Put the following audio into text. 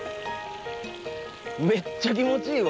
めっちゃ気持ちいいわ。